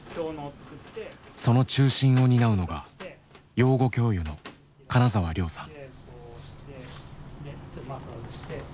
その中心を担うのが養護教諭の金澤良さん。